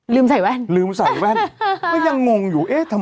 ลืมใส่แว่นยังงงอยู่เอ๊ะทำไมอ่านแล้วมองไม่เห็น